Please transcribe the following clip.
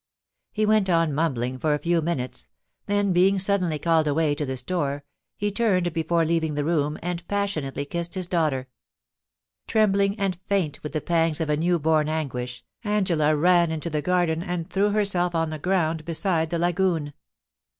...' He went on mumbling for a few minutes 3 then, being suddenly called away to the store, he turned before leaving the room and passionately kissed his daughter. Trembling and faint with the pangs of a new bom anguish, Angela ran into the garden, and threw herself on the ground beside the lagoon.